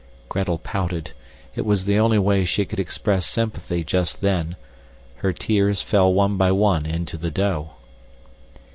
Gretel pouted. It was the only way she could express sympathy just then. Her tears fell one by one into the dough.